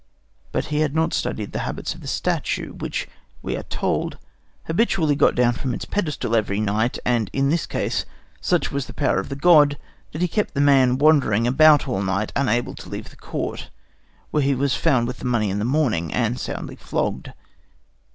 But he had not studied the habits of the statue, which, we are told, habitually got down from its pedestal every night; and in this case such was the power of the god that he kept the man wandering about all night, unable to leave the court, where he was found with the money in the morning, and soundly flogged.